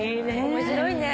面白いね。